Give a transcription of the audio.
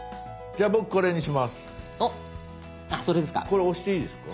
これ押していいですか？